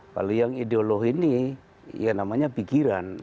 kalau yang ideologi ini ya namanya pikiran